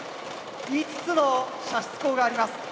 ５つの射出構があります。